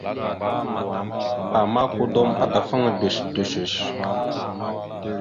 Ama, kudom adafaŋa ɗœshəɗœshœsh.